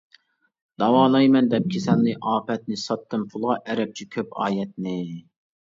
داۋالايمەن دەپ كېسەلنى، ئاپەتنى، ساتتىم پۇلغا ئەرەبچە كۆپ ئايەتنى.